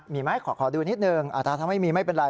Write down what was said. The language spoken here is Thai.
มีไหมขอดูนิดนึงถ้าไม่มีไม่เป็นไร